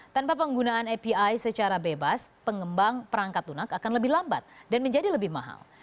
tanpa penggunaan api secara bebas pengembang perangkat lunak akan lebih lambat dan menjadi lebih mahal